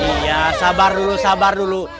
iya sabar dulu sabar dulu